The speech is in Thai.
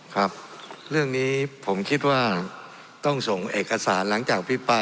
ครับเรื่องนี้ผมคิดว่าต้องส่งเอกสารหลังจากพิปราย